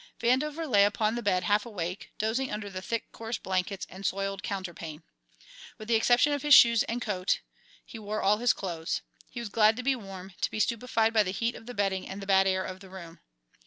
Vandover lay upon the bed half awake, dozing under the thick coarse blankets and soiled counterpane. With the exception of his shoes and coat he wore all his clothes. He was glad to be warm, to be stupefied by the heat of the bedding and the bad air of the room.